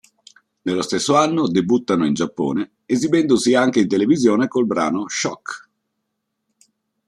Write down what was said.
Nello stesso anno debuttano in Giappone esibendosi anche in televisione col brano "Shock".